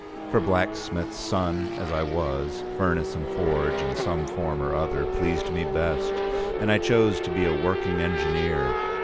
For, blacksmith's son as I was, furnace and forge, in some form or other, pleased me best, and I chose to be a working engineer.